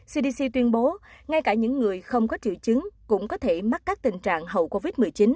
cdc tuyên bố ngay cả những người không có triệu chứng cũng có thể mắc các tình trạng hậu covid một mươi chín